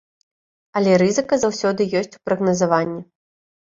Але рызыка заўсёды ёсць у прагназаванні.